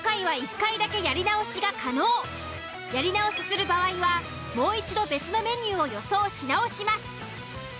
今回はやり直しする場合はもう一度別のメニューを予想し直します。